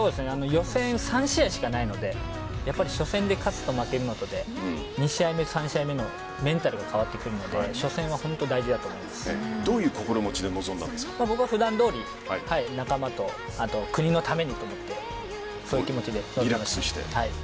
予選３試合しかないので初戦で勝つか負けるかで２試合目３試合目のメンタルが変わってくるのでどういう心持ちで僕は、普段どおり仲間と国のためにと思ってそういう気持ちで。